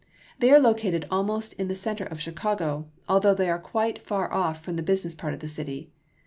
They are located almost in the center of Chicago, although they are quite far off from the business part of the city.